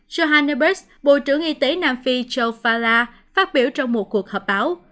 joe hanebers bộ trưởng y tế nam phi joe fala phát biểu trong một cuộc họp báo